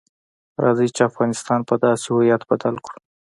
راځئ چې افغانستان په داسې هویت بدل کړو.